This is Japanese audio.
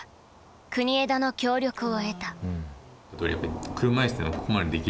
国枝の協力を得た。